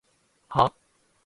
はぁ？